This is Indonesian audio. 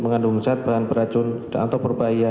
mengandung zat bahan beracun atau berbahaya